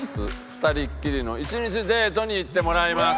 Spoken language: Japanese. ２人っきりの１日デートに行ってもらいます。